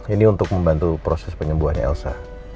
ini untuk membantu proses penyembuhannya elsa